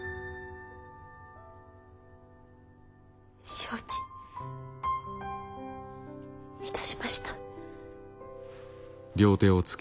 承知いたしました。